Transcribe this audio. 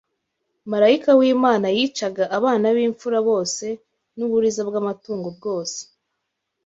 marayika w’Imana yicaga abana b’imfura bose n’uburiza bw’amatungo bwose